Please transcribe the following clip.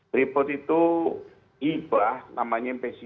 pripot itu ibah namanya mpc tua